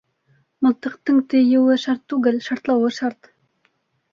Мылтыҡтың тейеүе шарт түгел, шартлауы шарт.